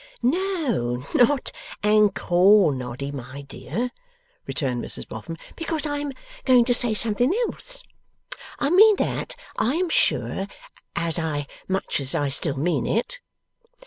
'No, not Ancoar, Noddy, my dear,' returned Mrs Boffin, 'because I am going to say something else. I meant that, I am sure, as much as I still mean it.